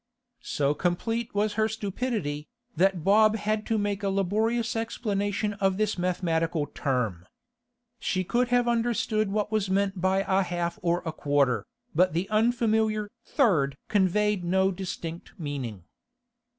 So complete was her stupidity, that Bob had to make a laborious explanation of this mathematical term. She could have understood what was meant by a half or a quarter, but the unfamiliar 'third' conveyed no distinct meaning.